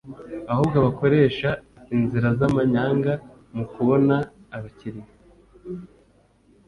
ahubwo “bakoresha inzira z’amanyanga mu kubona abakiliya